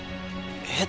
えっ！？